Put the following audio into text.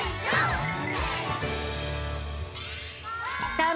さあ